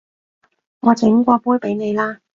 我整過杯畀你啦